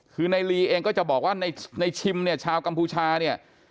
คือในลีเองก็จะบอกว่าในชิมเนี่ยชาวกัมพูชาเนี่ย